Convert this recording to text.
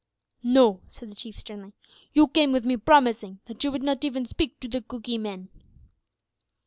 "No," said the Chief sternly. "You came with me promising that you would not even speak to the Cookee men."